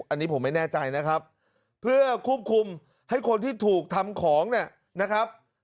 อันนี้ผมไม่แน่ใจนะครับเพื่อควบคุมให้คนที่ถูกทำของเนี่ยนะครับ